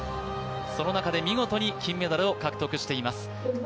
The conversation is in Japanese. その中で見事に金メダルを獲得しています。